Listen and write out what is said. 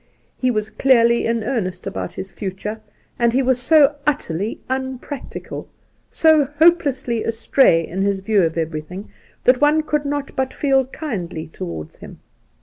He was clearly in earnest about his future, and he was so .utterly unpractical, so hopelessly astray in his view of everything, that one could not but feel kindly towards him.